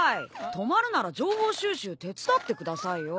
泊まるなら情報収集手伝ってくださいよ。